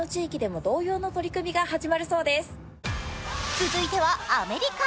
続いてはアメリカ。